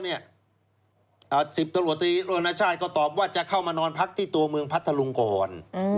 ๑๐ตำรวจตรีโรนชาติก็ตอบว่าจะเข้ามานอนพักที่ตัวเมืองพัทธลุงก่อน